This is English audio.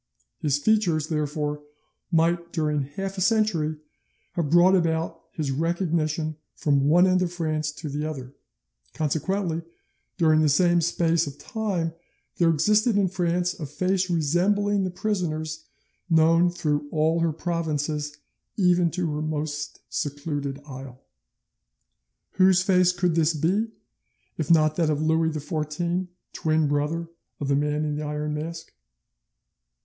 His features, therefore, might during half a century have brought about his recognition from one end of France to the other; consequently, during the same space of time there existed in France a face resembling the prisoner's known through all her provinces, even to her most secluded isle. Whose face could this be, if not that of Louis XVI, twin brother of the Man in the Iron Mask?